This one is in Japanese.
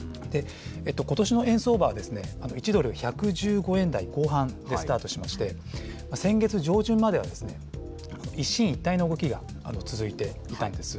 ことしの円相場は、１ドル１１５円台後半でスタートしまして、先月上旬までは一進一退の動きが続いていたんです。